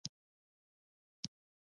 د ډېرې مودې وروسته یو ځای شول.